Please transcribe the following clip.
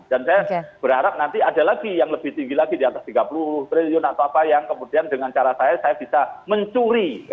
dan saya berharap nanti ada lagi yang lebih tinggi lagi di atas tiga puluh triliun atau apa yang kemudian dengan cara saya bisa mencuri